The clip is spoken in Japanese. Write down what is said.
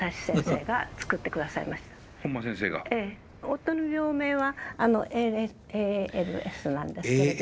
夫の病名はＡＬＳなんですけど。